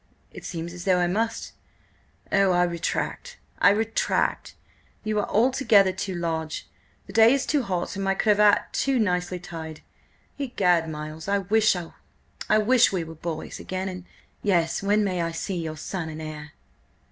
It seems as though I must–oh, I retract, I retract. You are altogether too large, the day is too hot, and my cravat too nicely tied—Egad, Miles! I wish–oh, I WISH we were boys again, and— Yes. When may I see your son and heir?"